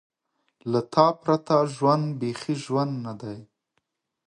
له تا پرته ژوند بېخي ژوند نه دی.